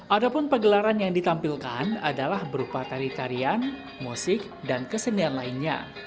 ada pun pegelaran yang ditampilkan adalah berupa tari tarian musik dan kesenian lainnya